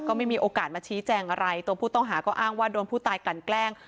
ไม่มีโอกาสมาชี้แจงอะไรตัวผู้ต้องหาก็อ้างว่าโดนผู้ตายกลั่นแกล้ง